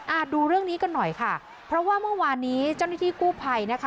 ดูเรื่องนี้กันหน่อยค่ะเพราะว่าเมื่อวานนี้เจ้าหน้าที่กู้ภัยนะคะ